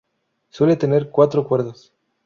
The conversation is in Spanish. Suele tener cuatro cuerdas.